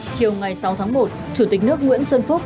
chiều ngày sáu tháng một chủ tịch nước nguyễn xuân phúc